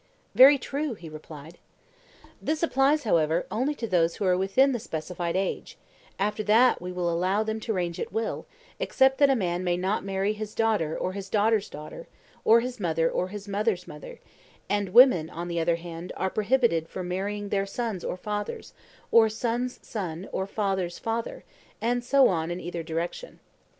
Very true, he replied. This applies, however, only to those who are within the specified age: after that we allow them to range at will, except that a man may not marry his daughter or his daughter's daughter, or his mother or his mother's mother; and women, on the other hand, are prohibited from marrying their sons or fathers, or son's son or father's father, and so on in either direction.